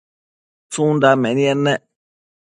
tsundan menied ne?